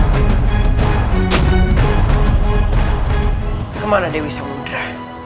bagaimana dia bisa mudrah